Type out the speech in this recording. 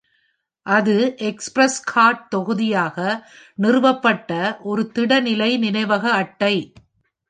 அது எக்ஸ்பிரெஸ்கார்ட் தொகுதியாக நிறுவப்பட்ட ஒரு திட-நிலை நினைவக அட்டை.